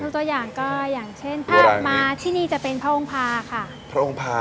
สูตรอย่างก็อย่างเช่นครับมาที่นี่จะเป็นพระองค์พาค่ะ